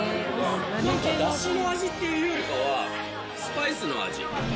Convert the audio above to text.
何かダシの味っていうよりかはスパイスの味。